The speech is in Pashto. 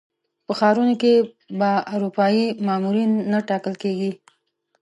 په ښارونو کې به اروپایي مامورین نه ټاکل کېږي.